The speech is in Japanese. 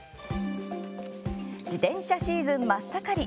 自転車シーズン真っ盛り。